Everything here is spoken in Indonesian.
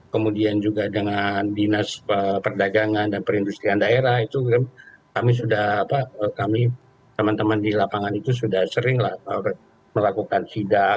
kemudian juga dengan dinas perdagangan dan perindustrian daerah itu kami sudah kami teman teman di lapangan itu sudah sering melakukan sidak